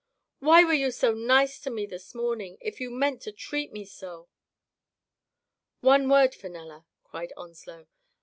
Why were you so nice to me this morning, if you meant to treat me so ?" "One word, Fenella," cried Onslow.